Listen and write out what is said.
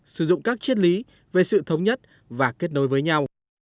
sử dụng các triết lý về sự thống nhất và kết nối với nhau